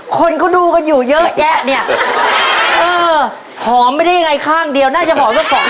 คนเขาดูกันอยู่เยอะแยะเนี่ยเออหอมไม่ได้ยังไงข้างเดียวน่าจะหอมสักสอง